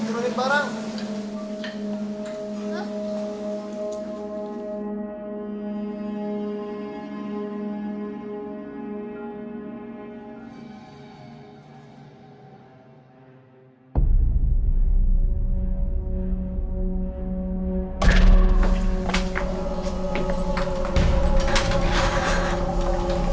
tuh diberanin barang